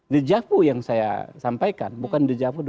dejavu yang saya sampaikan bukan dejavu dua ribu empat belas